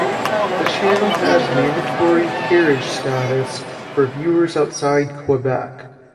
The channel has mandatory carriage status for viewers outside Quebec.